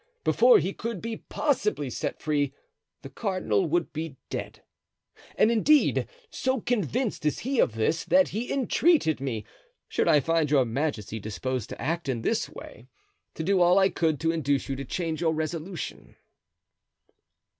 Before he could be possibly set free the cardinal would be dead; and indeed, so convinced is he of this, that he entreated me, should I find your majesty disposed to act in this way, to do all I could to induce you to change your resolution."